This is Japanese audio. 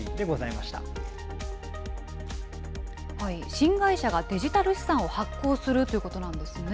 新会社がデジタル資産を発行するということなんですね。